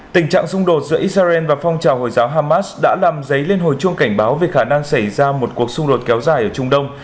tình trạng xung đột giữa israel và phong trào hồi giáo hamas đã làm giấy lên hồi chuông cảnh báo về khả năng xảy ra một cuộc xung đột kéo dài ở trung đông